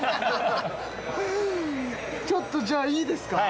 ちょっとじゃあいいですか？